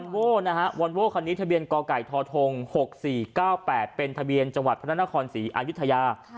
วัลโว่คันนี้ทะเบียนกไก่ทธ๖๔๙๘เป็นทะเบียนจังหวัดพธศศอยุธยา